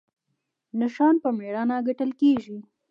نشان په میړانه ګټل کیږي